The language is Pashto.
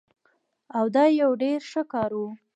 او دا يو ډير ښه کار وو